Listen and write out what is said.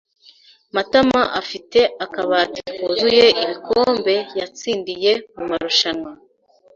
Matama afite akabati kuzuye ibikombe yatsindiye mumarushanwa.